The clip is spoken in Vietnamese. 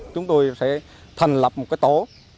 chúng tôi sẽ thành lập một cái tổ